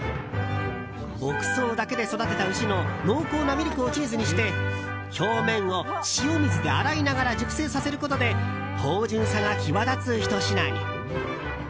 牧草だけで育てた牛の濃厚なミルクをチーズにして表面を塩水で洗いながら熟成させることで芳醇さが際立つひと品に。